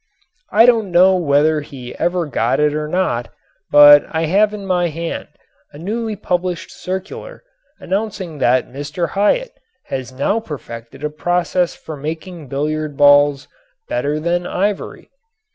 I don't know whether he ever got it or not, but I have in my hand a newly published circular announcing that Mr. Hyatt has now perfected a process for making billiard balls "better than ivory."